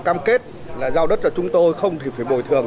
cam kết là giao đất cho chúng tôi không thì phải bồi thường